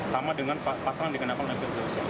sama dengan pasal yang dikenakan oleh firza hussein